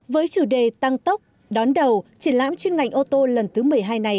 với chủ đề tăng tốc đón đầu triển lãm chuyên ngành ô tô lần thứ một mươi hai này